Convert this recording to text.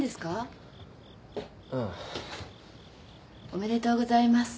おめでとうございます。